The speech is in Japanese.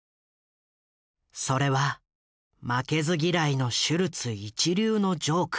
それは負けず嫌いのシュルツ一流のジョーク。